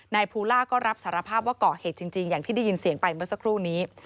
ภูล่าก็รับสารภาพว่าก่อเหตุจริงอย่างที่ได้ยินเสียงไปเมื่อสักครู่นี้